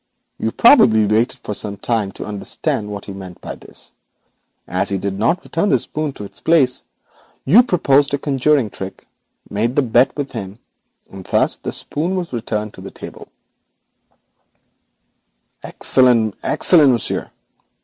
You probably waited for some time to understand what he meant by this, and as he did not return the spoon to its place, you proposed a conjuring trick, made the bet with him, and thus the spoon was returned to the table.' 'Excellent! excellent, monsieur!